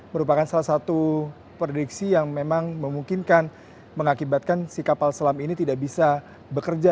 merupakan salah satu prediksi yang memang memungkinkan mengakibatkan si kapal selam ini tidak bisa bekerja